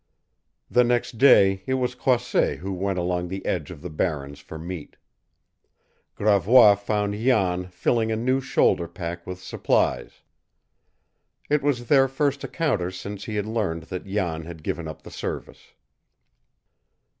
The next day it was Croisset who went along the edge of the Barrens for meat. Gravois found Jan filling a new shoulder pack with supplies. It was their first encounter since he had learned that Jan had given up the service.